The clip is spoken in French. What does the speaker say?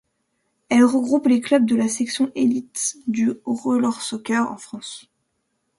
Elle regroupe les clubs de la section élite du rollersoccer en France.